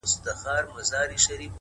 شعـر كي مي راپـاتـــه ائـيـنه نـه ده.!